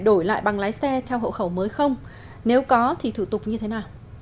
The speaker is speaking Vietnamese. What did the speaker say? đổi lại bằng lái xe theo hộ khẩu mới không nếu có thì thủ tục như thế nào